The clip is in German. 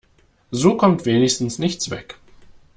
So kommt wenigstens nichts weg.